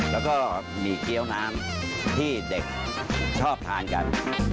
แล้วก็หมี่เกี้ยวน้ำที่เด็กชอบทานกัน